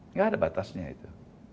nggak ada batasnya itu